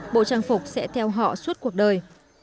bộ trang phục sẽ theo họ suốt cuộc đời